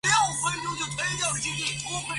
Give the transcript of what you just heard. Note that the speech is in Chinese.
三氧化二磷由白磷在有限的氧气中燃烧得到。